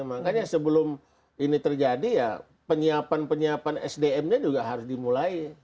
makanya sebelum ini terjadi ya penyiapan penyiapan sdm nya juga harus dimulai